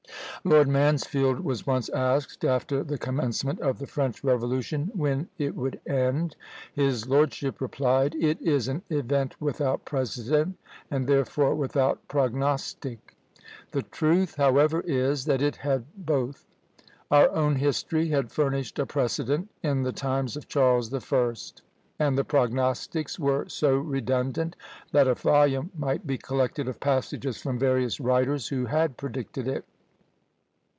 Lord Mansfield was once asked, after the commencement of the French Revolution, when it would end? His lordship replied, "It is an event without precedent, and therefore without prognostic." The truth, however, is, that it had both. Our own history had furnished a precedent in the times of Charles the First. And the prognostics were so redundant, that a volume might be collected of passages from various writers who had predicted it.